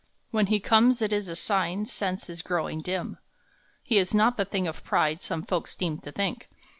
When he comes it is a sign Sense is growing dim. He is not the thing of pride Some folks seem to think.